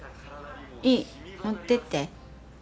いい持ってって。